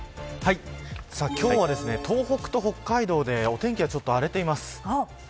今日は、東北と北海道でお天気が荒れています。